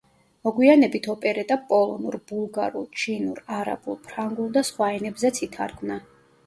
მოგვიანებით ოპერეტა პოლონურ, ბულგარულ, ჩინურ, არაბულ, ფრანგულ და სხვა ენებზეც ითარგმნა.